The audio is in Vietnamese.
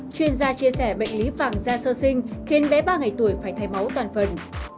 chuyên gia chia sẻ bệnh lý vàng da sơ sinh khiến bé ba ngày tuổi phải thay máu toàn phần